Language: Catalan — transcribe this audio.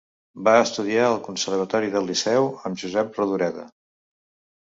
Va estudiar al conservatori del Liceu amb Josep Rodoreda.